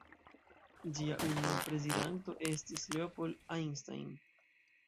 Ĝia unua prezidanto estis Leopold Einstein.